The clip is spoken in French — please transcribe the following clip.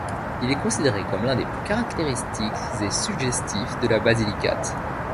Il est considéré comme l'un des plus caractéristiques et suggestifs de la Basilicate.